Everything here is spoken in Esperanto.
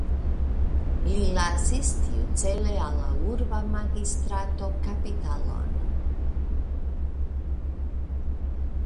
Li lasis tiucele al la urba magistrato kapitalon.